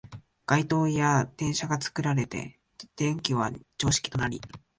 電燈や電車が作られて電気は常識となり、